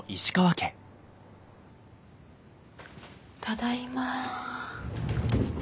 ただいま。